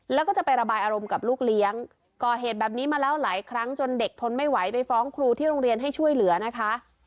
แล้วก็จะไประบายอารมณ์กับลูกเลี้ยงก่อเหตุแบบนี้มาแล้วหลายครั้งจนเด็กทนไม่ไหวไปฟ้องครูที่โรงเรียนให้ช่วยเหลือนะคะ